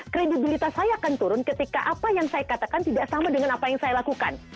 kredibilitas saya akan turun ketika apa yang saya katakan tidak sama dengan apa yang saya lakukan